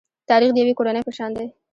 تاریخ د یوې کورنۍ په شان دی.